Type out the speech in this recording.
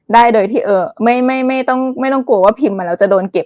ได้โดยที่ไม่ต้องกลัวว่าพิมพ์มาแล้วจะโดนเก็บ